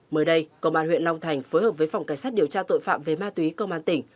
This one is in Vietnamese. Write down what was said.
mới đây công an huyện long thành phối hợp với phòng cảnh sát điều tra tội phạm về ma túy công an tỉnh